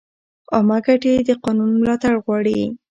عامه ګټې د قانون ملاتړ غواړي.